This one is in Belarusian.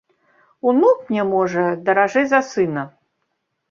Унук мне, можа, даражэй за сына.